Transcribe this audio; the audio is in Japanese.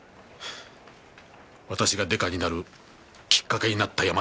私が刑事になるきっかけになったヤマです。